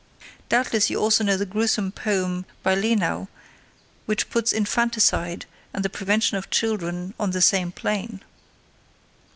Doubtless you also know the gruesome poem by Lenau, which puts infanticide and the prevention of children on the same plane."